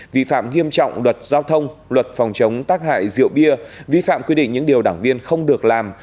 vi phạm nghiêm trọng luật giao thông luật phòng chống tác hại rượu bia vi phạm quy định những điều đảng viên không được làm